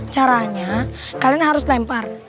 caranya kalian harus lempar